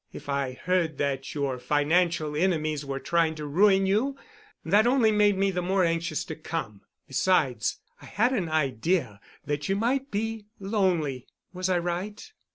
If I heard that your financial enemies were trying to ruin you, that only made me the more anxious to come. Besides, I had an idea that you might be lonely. Was I right?"